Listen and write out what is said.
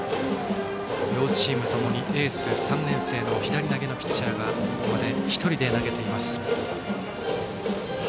両チームともにエース、３年生の左投げのピッチャーがここまで１人で投げています。